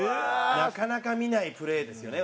なかなか見ないプレーですよね。